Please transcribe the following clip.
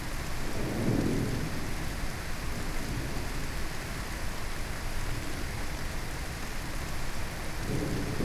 Zʉ̌ʼ mᾱndóm yə̌ nzhie lah nnū nshi ǒ lah nsóhnā bᾱ nkō wen.